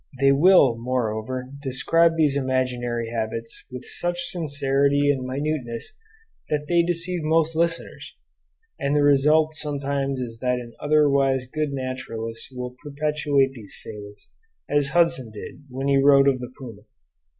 They will, moreover, describe these imaginary habits with such sincerity and minuteness that they deceive most listeners; and the result sometimes is that an otherwise good naturalist will perpetuate these fables, as Hudson did when he wrote of the puma.